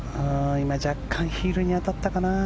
若干ヒールに当たったかな。